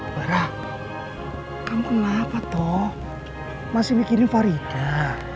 barah kamu kenapa toh masih mikirin farida